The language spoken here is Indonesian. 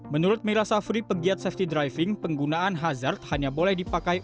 menurut mira safri pegiat safety driving penggunaan hazard hanya boleh dipakai